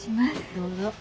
どうぞ。